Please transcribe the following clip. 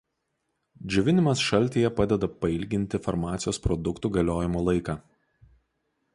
Džiovinimas šaltyje padeda pailginti farmacijos produktų galiojimo laiką.